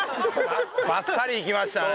バッサリいきましたね。